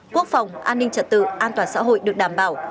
quốc phòng an ninh trật tự an toàn xã hội được đảm bảo